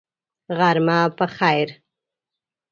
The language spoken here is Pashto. غرمه په خیر !